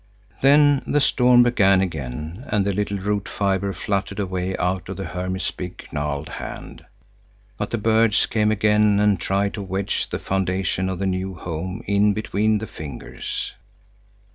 Then the storm began again, and the little root fibre fluttered away out of the hermit's big gnarled hand. But the birds came again and tried to wedge the foundation of the new home in between the fingers.